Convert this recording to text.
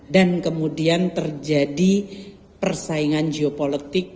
dan kemudian terjadi persaingan geopolitik